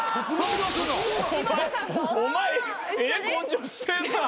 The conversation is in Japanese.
お前ええ根性してんな。